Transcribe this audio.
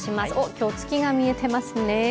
今日、月が見えていますね。